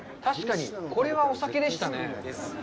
確かに、これはお酒でしたね。